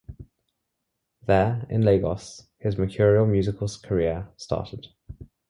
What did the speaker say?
There, in Lagos, his mercurial musical career started.